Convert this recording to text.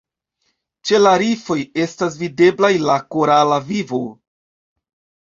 Ĉe la rifoj estas videblaj la korala vivo.